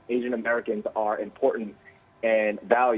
asian amerika adalah penting dan dihargai